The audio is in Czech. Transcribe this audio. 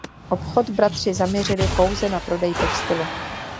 Obchod bratři zaměřili pouze na prodej textilu.